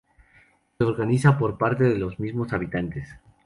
Se organiza por parte de los mismos habitantes.